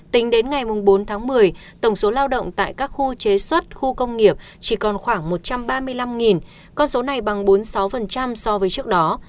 tính đến ngày bốn tháng một mươi tổng số lao động tại các khu chế xuất khu công nghiệp chỉ còn khoảng một trăm ba mươi năm con số này bằng bốn mươi sáu so với trước đó